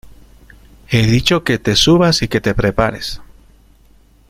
he dicho que te subas y que te prepares.